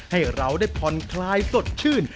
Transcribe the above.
ให้เราได้ผ่อนคลายสดชื่น